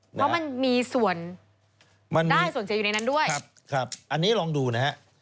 เพราะมันมีส่วนได้ส่วนเสียอยู่ในนั้นด้วยอันนี้ลองดูนะฮะ